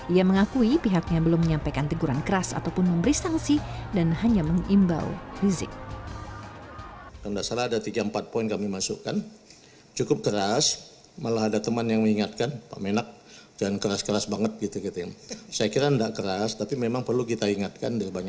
ia mengakui pihaknya belum menyampaikan teguran keras ataupun memberi sanksi dan hanya mengimbau rizik